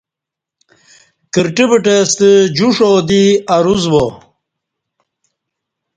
کرٹہ بٹہ ستہ جوش آودی اروس وا